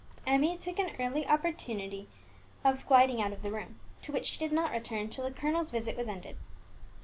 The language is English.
Emmie took an early opportunity of gliding out of the room, to which she did not return till the colonel's visit was ended.